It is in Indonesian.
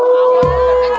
awan jangan kacau